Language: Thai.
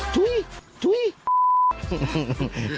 ไปเรื่องเห็น